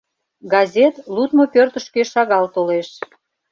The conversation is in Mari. Газет лудмо пӧртышкӧ шагал толеш.